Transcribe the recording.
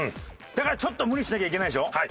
だからちょっと無理しなきゃいけないでしょ？